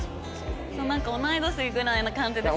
なんか同い年ぐらいな感じで。